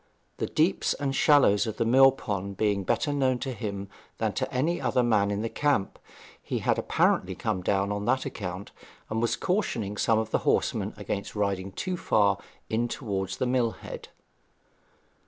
The deeps and shallows of the mill pond being better known to him than to any other man in the camp, he had apparently come down on that account, and was cautioning some of the horsemen against riding too far in towards the mill head.